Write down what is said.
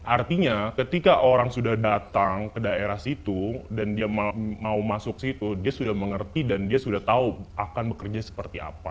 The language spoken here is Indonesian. artinya ketika orang sudah datang ke daerah situ dan dia mau masuk situ dia sudah mengerti dan dia sudah tahu akan bekerja seperti apa